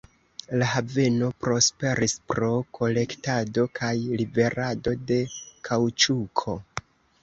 La haveno prosperis pro kolektado kaj liverado de kaŭĉuko.